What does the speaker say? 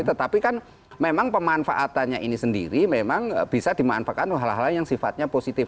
tetapi kan memang pemanfaatannya ini sendiri memang bisa dimanfaatkan oleh hal hal yang sifatnya positif